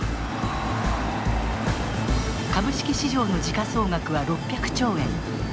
株式市場の時価総額は６００兆円。